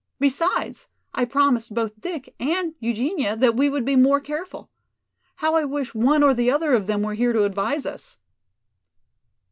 Besides, I promised both Dick and Eugenia that we would be more careful. How I wish one or the other of them were here to advise us!"